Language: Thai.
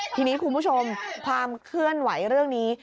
ทีนี้คุณผู้ชมความเคลื่อนไหวเรื่องนี้